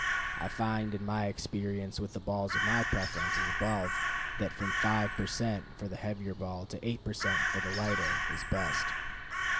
I find in my experience with the balls of my preference (as above) that from five per cent. for the heavier ball, to eight per cent. for the lighter, is best.